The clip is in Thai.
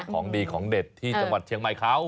ของดีของเด็ดที่จังหวัดเชียงใหม่เขา